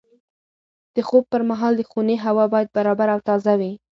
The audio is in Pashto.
د خوب پر مهال د خونې هوا باید برابره او تازه وي.